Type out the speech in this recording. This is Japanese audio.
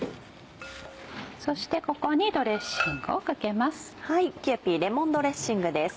そしてここにドレッシングをかけます。